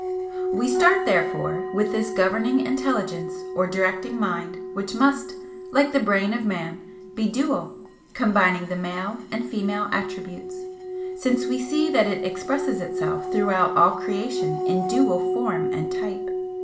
"We start, therefore, with this Governing Intelligence or directing Mind, which must, like the brain of man, be dual, combining the male and female attributes, since we see that it expresses itself throughout all creation in dual form and type.